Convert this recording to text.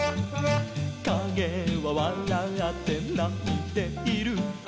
「かげはわらって泣いている」